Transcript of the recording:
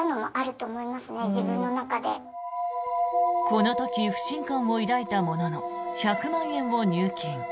この時、不信感を抱いたものの１００万円を入金。